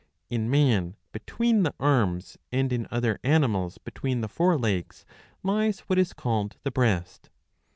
^^ In man between the arms, and in other animals between the' fore legs, lies what is called the breast.